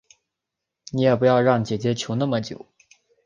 你也不要让姐姐求那么久